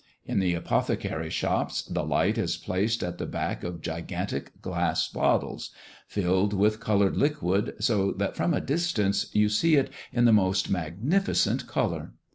In the apothecary's shops, the light is placed at the back of gigantic glass bottles, filled with coloured liquid, so that from a distance you see it in the most magnificent colour.